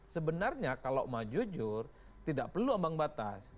sebenarnya kalau mau jujur tidak perlu ambang batas